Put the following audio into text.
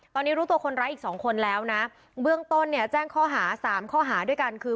ตอนนี้รู้ตัวคนร้ายอีกสองคนแล้วนะเบื้องต้นเนี่ยแจ้งข้อหาสามข้อหาด้วยกันคือ